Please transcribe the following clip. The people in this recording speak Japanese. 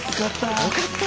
よかった。